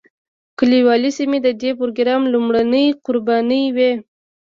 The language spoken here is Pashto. کلیوالي سیمې د دې پروګرام لومړنۍ قربانۍ وې.